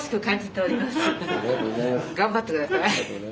頑張って下さい。